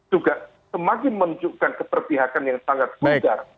juga semakin menunjukkan keperpihakan yang sangat mudah